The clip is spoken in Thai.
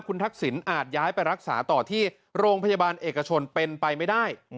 คุณทักษิณอาจย้ายไปรักษาต่อที่โรงพยาบาลเอกชนเป็นไปไม่ได้